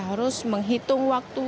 harus menghitung waktu